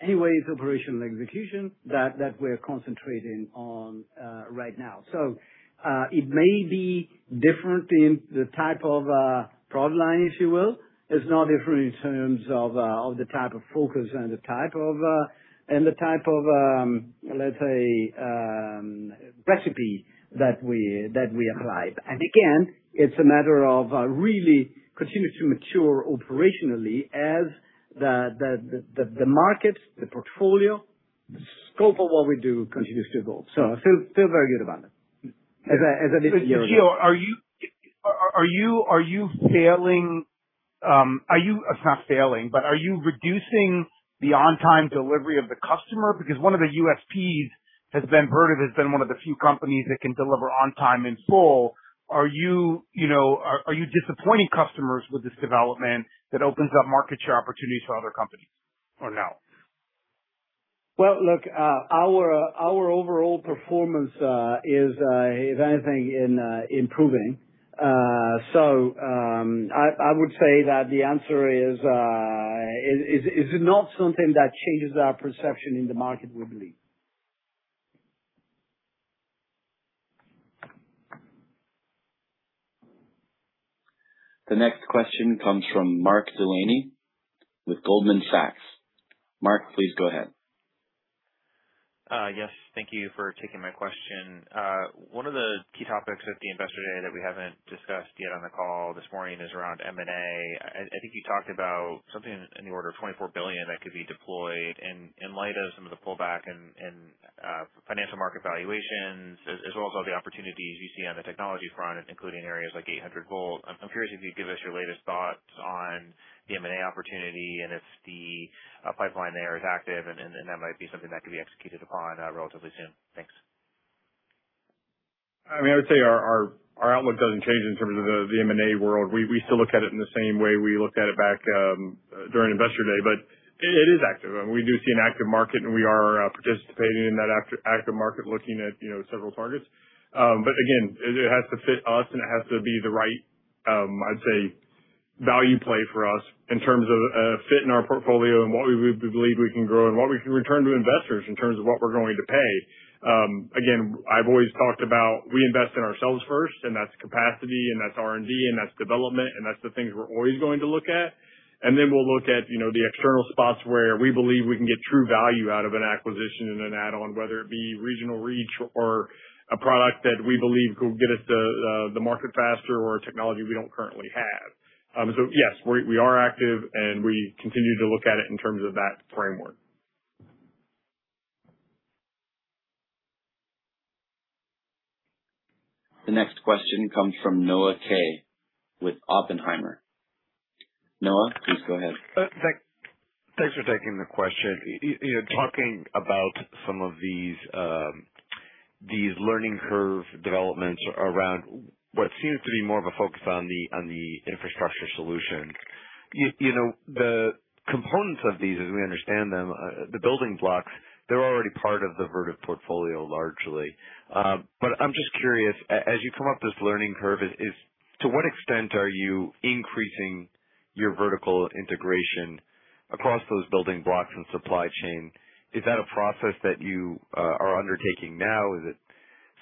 Anyway, it's operational execution that we're concentrating on right now. It may be different in the type of product line, if you will. It's not different in terms of the type of focus and the type of, let's say, recipe that we apply. Again, it's a matter of really continuing to mature operationally as the markets, the portfolio, the scope of what we do continues to evolve. Still very good, Amit, as I mentioned a year ago. Gio, are you reducing the on-time delivery of the customer? Because one of the USPs has been Vertiv has been one of the few companies that can deliver on time in full. Are you disappointing customers with this development that opens up market share opportunities for other companies, or no? Look, our overall performance is, if anything, improving. So, I would say that the answer is, it's not something that changes our perception in the market, we believe. The next question comes from Mark Delaney with Goldman Sachs. Mark, please go ahead. Yes. Thank you for taking my question. One of the key topics at the Investor Day that we haven't discussed yet on the call this morning is around M&A. I think you talked about something in the order of $24 billion that could be deployed, and in light of some of the pullback in financial market valuations, as well as all the opportunities you see on the technology front, including areas like 800 V, I'm curious if you'd give us your latest thoughts on the M&A opportunity, and if the pipeline there is active and that might be something that could be executed upon relatively soon. Thanks. I would say our outlook doesn't change in terms of the M&A world. We still look at it in the same way we looked at it back during Investor Day. It is active, and we do see an active market, and we are participating in that active market looking at several targets. But again, it has to fit us, and it has to be the right, I'd say, value play for us in terms of fit in our portfolio and what we believe we can grow and what we can return to investors in terms of what we're going to pay. Again, I've always talked about we invest in ourselves first, and that's capacity, and that's R&D, and that's development, and that's the things we're always going to look at. Then, we'll look at the external spots where we believe we can get true value out of an acquisition and an add-on, whether it be regional reach or a product that we believe could get us the market faster or a technology we don't currently have. Yes, we are active, and we continue to look at it in terms of that framework. The next question comes from Noah Kaye with Oppenheimer. Noah, please go ahead. Thanks for taking the question. Talking about some of these learning curve developments around what seems to be more of a focus on the infrastructure solution. The components of these, as we understand them, the building blocks, they're already part of the Vertiv portfolio largely. I'm just curious, as you come up this learning curve, to what extent are you increasing your vertical integration across those building blocks and supply chain? Is that a process that you are undertaking now? Is it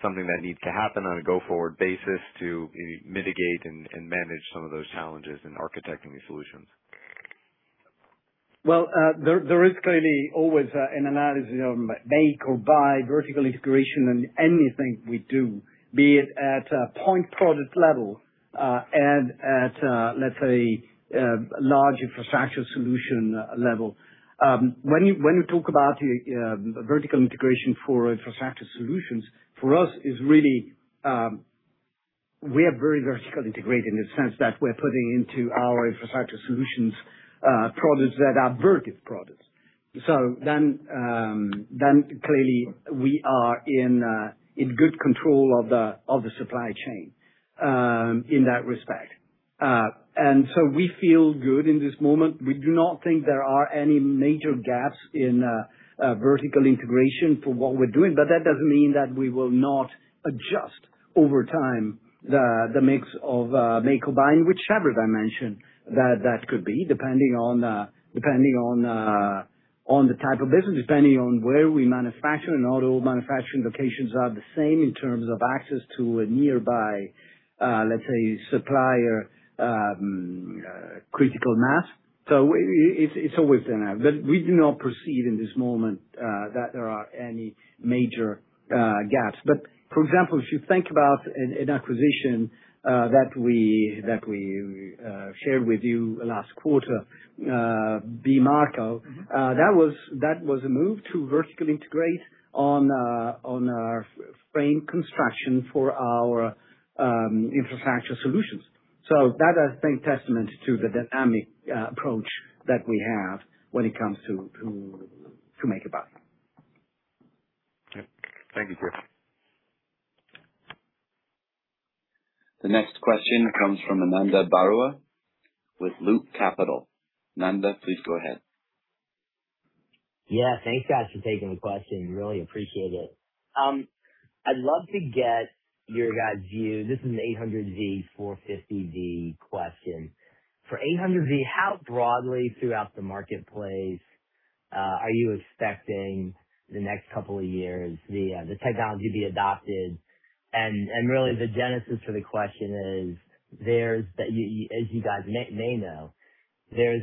something that needs to happen on a go-forward basis to mitigate and manage some of those challenges in architecting these solutions? There is clearly always an analysis of make or buy vertical integration in anything we do, be it at a point product level and at a, let's say, large infrastructure solution level. When you talk about vertical integration for infrastructure solutions, for us, is really we are very vertically integrated in the sense that we're putting into our infrastructure solutions products that are Vertiv products. Clearly, we are in good control of the supply chain in that respect, and so we feel good in this moment. We do not think there are any major gaps in vertical integration for what we're doing, but that doesn't mean that we will not adjust over time the mix of make or buy in whichever dimension that could be, depending on the type of business, depending on where we manufacture. Not all manufacturing locations are the same in terms of access to a nearby, let's say, supplier critical mass. It's always been there. We do not perceive in this moment that there are any major gaps. For example, if you think about an acquisition that we shared with you last quarter, BMarko Structures, that was a move to vertically integrate on our frame construction for our infrastructure solutions. That has been testament to the dynamic approach that we have when it comes to make a buy. Yep. Thank you, Gio. The next question comes from Ananda Baruah with Loop Capital. Ananda, please go ahead. Yeah. Thanks, guys, for taking the question. Really appreciate it. I'd love to get your guys' view. This is an 800 V, 450 V question. For 800 V, how broadly throughout the marketplace are you expecting the next couple of years, the technology be adopted? Really, the genesis for the question is, as you guys may know, there's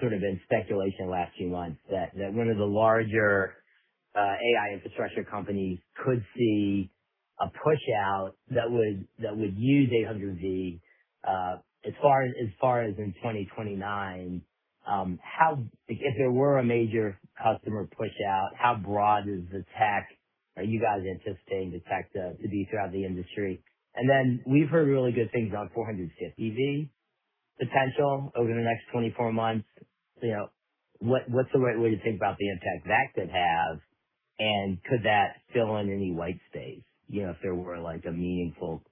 sort of been speculation last few months that one of the larger AI infrastructure companies could see a pushout that would use 800 V as far as in 2029. If there were a major customer pushout, how broad is the tech are you guys anticipating the tech to be throughout the industry? Then, we've heard really good things about 450 V potential over the next 24 months. What's the right way to think about the impact that could have? Could that fill in any white space if there were a meaningful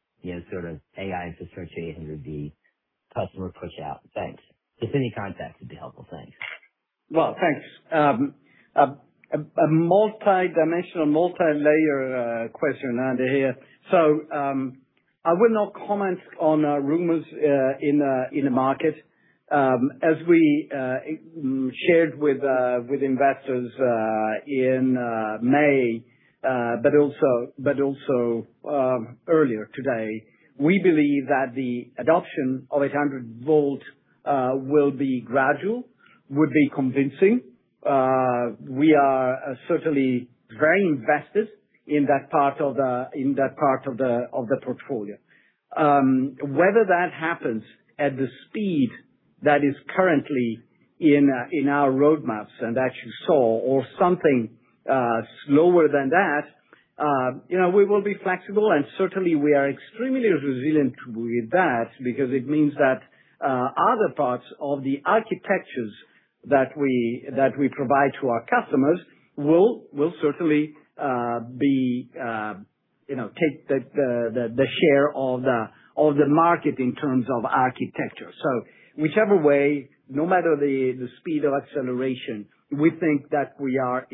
sort of AI infrastructure, 800 V customer push out? Thanks. If any context would be helpful. Thanks. Thanks. A multidimensional, multilayer question under here. I would not comment on rumors in the market. As we shared with investors in May, but also earlier today, we believe that the adoption of 800 V will be gradual, would be convincing. We are certainly very invested in that part of the portfolio. Whether that happens at the speed that is currently in our roadmaps and that you saw or something slower than that, we will be flexible and certainly we are extremely resilient with that because it means that other parts of the architectures that we provide to our customers will certainly take the share of the market in terms of architecture. Whichever way, no matter the speed of acceleration, we think that we are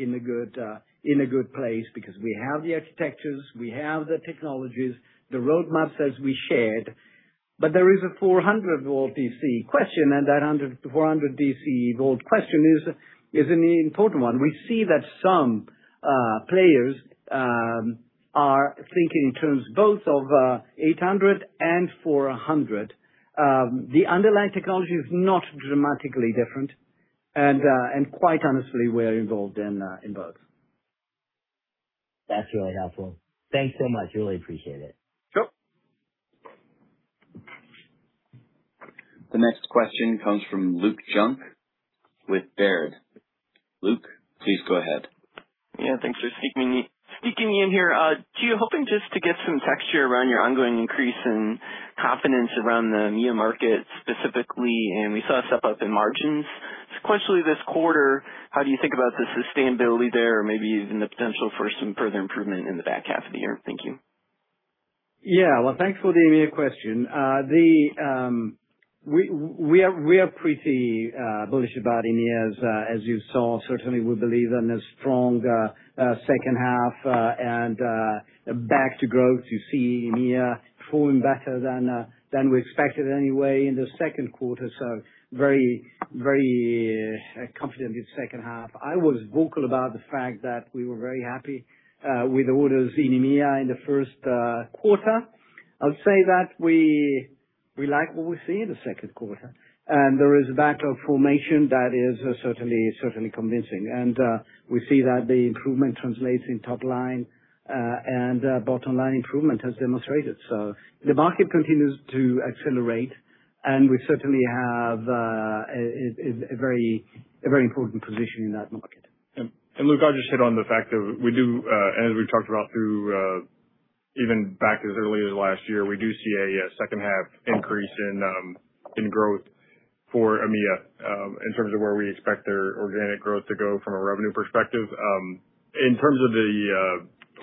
in a good place because we have the architectures, we have the technologies, the roadmaps as we shared. There is a 400-V DC question, and that 400-V DC question is an important one. We see that some players are thinking in terms both of 800 V and 400 V. The underlying technology is not dramatically different, and quite honestly, we're involved in both. That's really helpful. Thanks so much. Really appreciate it. Sure. The next question comes from Luke Junk with Baird. Luke, please go ahead. Yeah, thanks for sneaking me in here. Gio, hoping just to get some texture around your ongoing increase in confidence around the EMEA market specifically. We saw a step up in margins sequentially this quarter. How do you think about the sustainability there or maybe even the potential for some further improvement in the back half of the year? Thank you. Yeah. Well, thanks for the EMEA question. We are pretty bullish about EMEA, as you saw. Certainly, we believe in a strong second half and back to growth. You see EMEA performing better than we expected anyway in the second quarter. So, very confident in the second half. I was vocal about the fact that we were very happy with orders in EMEA in the first quarter. I'll say that we like what we see in the second quarter. There is a back of formation that is certainly convincing. We see that the improvement translates in top line, and bottom-line improvement has demonstrated. The market continues to accelerate, and we certainly have a very important position in that market. Luke, I'll just hit on the fact that we do, and as we've talked about through even back as early as last year, we do see a second half increase in growth for EMEA in terms of where we expect their organic growth to go from a revenue perspective. In terms of the,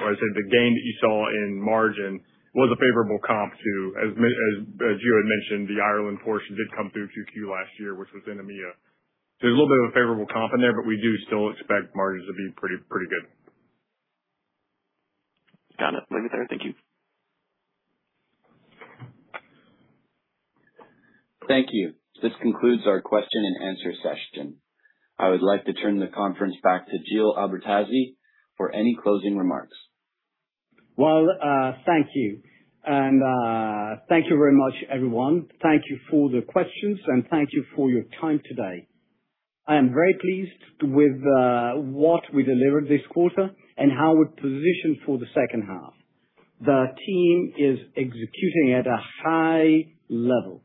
when I say the gain that you saw in margin, was a favorable comp to, as Gio had mentioned, the Ireland portion did come through 2Q last year, which was in EMEA. There's a little bit of a favorable comp in there, but we do still expect margins to be pretty good. Got it. Leave it there. Thank you. Thank you. This concludes our question-and-answer session. I would like to turn the conference back to Gio Albertazzi for any closing remarks. Thank you. Thank you very much, everyone. Thank you for the questions and thank you for your time today. I am very pleased with what we delivered this quarter and how we're positioned for the second half. The team is executing at a high level,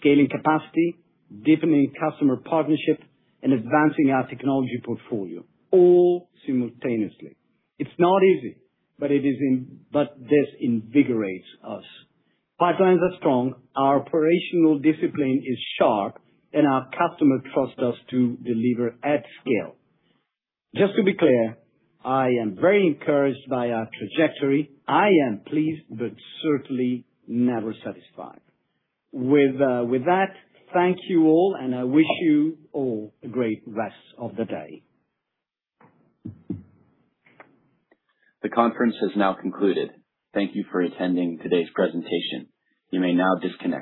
scaling capacity, deepening customer partnership, and advancing our technology portfolio, all simultaneously. It's not easy, but this invigorates us. Pipelines are strong, our operational discipline is sharp, and our customer trust us to deliver at scale. Just to be clear, I am very encouraged by our trajectory. I am pleased, but certainly never satisfied. With that, thank you all, and I wish you all a great rest of the day. The conference has now concluded. Thank you for attending today's presentation. You may now disconnect.